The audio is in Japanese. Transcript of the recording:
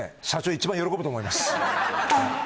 一番喜ぶと思います